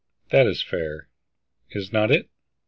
That is fair, is not it?"